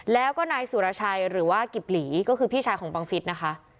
แล้วก็นายสุรชัยหรือว่ากิบหลีก็คือพี่ชายของบังฟิศนะคะ